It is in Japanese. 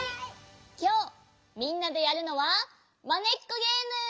きょうみんなでやるのはまねっこゲーム！